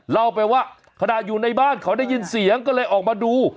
เล่าไปว่าขณะอยู่ในบ้านเขาได้ยินเสียงก็เลยออกมาดู